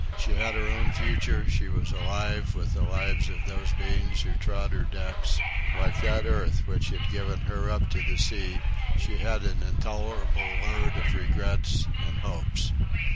She had her own future; she was alive with the lives of those beings who trod her decks; like that earth which had given her up to the sea, she had an intolerable load of regrets and hopes.